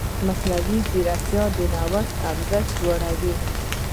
مصنوعي ځیرکتیا د نوښت ارزښت لوړوي.